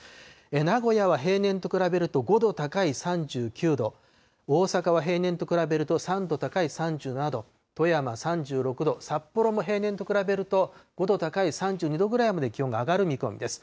名古屋は平年と比べると５度高い３９度、大阪は平年と比べると３度高い３７度、富山３６度、札幌も平年と比べると５度高い３２度くらいまで気温が上がる見込みです。